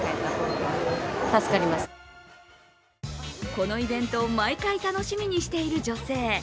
このイベントを毎回楽しみにしている女性。